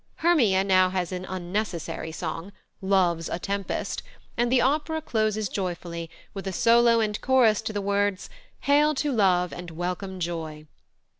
Hermia now has an unnecessary song, "Love's a tempest," and the opera closes joyfully with a solo and chorus to the words "Hail to love and welcome joy."